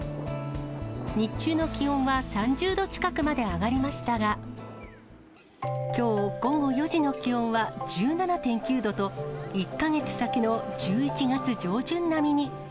日中の気温は３０度近くまで上がりましたが、きょう午後４時の気温は１７．９度と、１か月先の１１月上旬並みに。